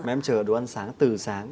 mà em chờ đồ ăn sáng từ sáng